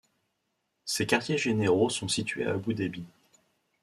Ses quartiers-généraux sont situés à Abou Dabi.